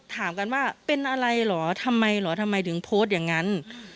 ถามกันว่าเป็นอะไรเหรอทำไมถึงโพสต์อย่างนั้น